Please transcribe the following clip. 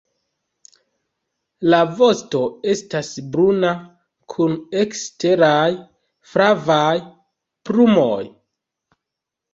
La vosto estas bruna kun eksteraj flavaj plumoj.